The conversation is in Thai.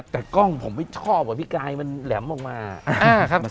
แต่กล้องผมไม่ชอบอ่ะพี่กายมันแหลมออกมา